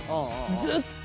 ずっと。